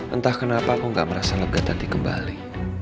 entah kenapa aku gak merasa lega nanti kembali